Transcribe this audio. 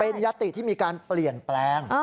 เป็นยติที่มีการเปลี่ยนแปลง